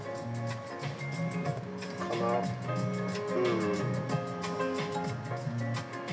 うん。